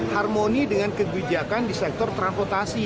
harmoni dengan kebijakan di sektor transportasi